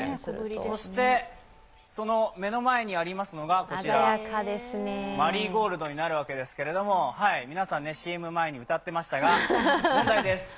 そして、目の前にありますのがこちら、マリーゴールドになるわけですけれども、皆さん、ＣＭ前に歌っていましたが、問題です。